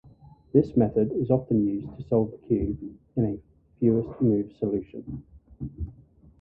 This method is often used to solve the cube in a fewest-moves solution.